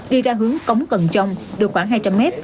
đi ra hướng cống cần trông được khoảng hai trăm linh mét